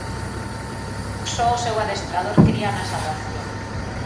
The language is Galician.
Só o seu adestrador cría na salvación.